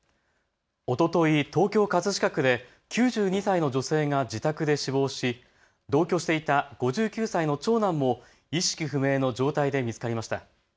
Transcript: おととい、東京葛飾区で９２歳の女性が自宅で死亡し同居していた５９歳の長男も意識不明の状態で見つかりました。